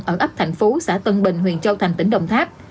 ở ấp thành phố xã tân bình huyện châu thành tỉnh đồng tháp